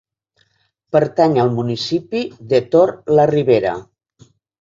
Pertany al municipi de Tor-la-ribera.